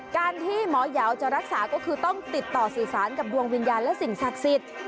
การที่หมอยาวจะรักษาก็คือต้องติดต่อสื่อสารกับดวงวิญญาณและสิ่งศักดิ์สิทธิ์